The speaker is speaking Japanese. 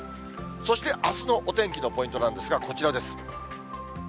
そして、あすのお天気のポイントなんですが、こちらです。